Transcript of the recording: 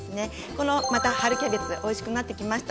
春キャベツおいしくなってきました。